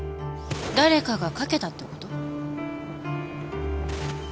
誰かがかけたってこと？